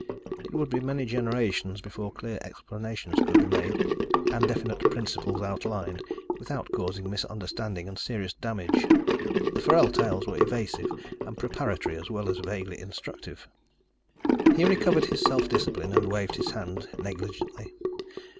It would be many generations before clear explanations could be made and definite principles outlined without causing misunderstanding and serious damage. The Forell tales were evasive and preparatory as well as vaguely instructive. He recovered his self discipline and waved his hand negligently.